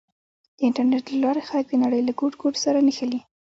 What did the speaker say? د انټرنېټ له لارې خلک د نړۍ له ګوټ ګوټ سره نښلي.